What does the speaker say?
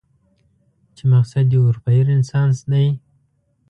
چې مقصد دې اروپايي رنسانس دی؟